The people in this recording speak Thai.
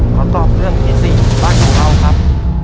ขอตอบเรื่องที่๔บ้านของเราครับ